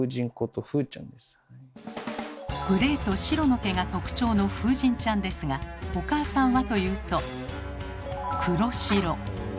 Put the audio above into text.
グレーと白の毛が特徴の風神ちゃんですがお母さんはというと黒白。